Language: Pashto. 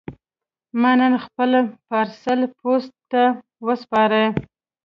ما نن خپل پارسل پوسټ ته وسپاره.